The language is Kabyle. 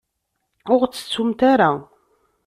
Ur aɣ-ttettumt ara.